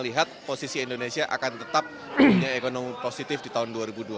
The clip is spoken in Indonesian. lihat posisi indonesia akan tetap punya ekonomi positif di tahun dua ribu dua puluh